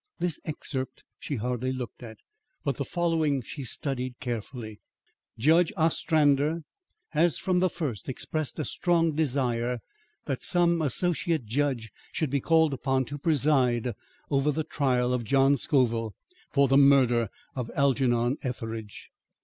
This excerpt she hardly looked at; but the following she studied carefully: "Judge Ostrander has from the first expressed a strong desire that some associate judge should be called upon to preside over the trial of John Scoville for the murder of Algernon Etheridge.